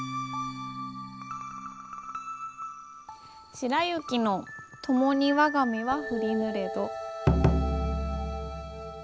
「しらゆきのともにわがみはふりぬれど」。